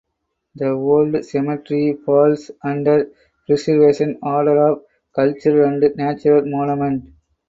The old cemetery falls under preservation order of cultural and natural monument.